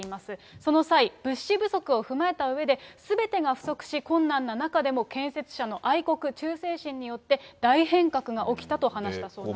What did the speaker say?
その際、物資不足を踏まえたうえで、すべてが不足し困難な中でも、建設者の愛国忠誠心によって、大変革が起きたと話したそうなんです。